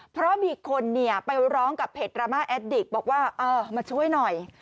เพราะมีคนเนี่ยไปร้องกับเพจดราม่าแอดดิกบอกว่าเออมาช่วยหน่อย